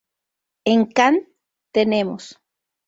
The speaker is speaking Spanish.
En Kant tenemos.